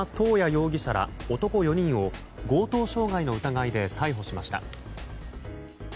容疑者ら男４人を強盗傷害の疑いで逮捕しました。